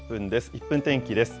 １分天気です。